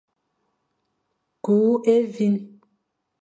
Kur évîn.